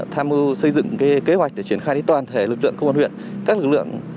tham mưu xây dựng kế hoạch để triển khai toàn thể lực lượng công an huyện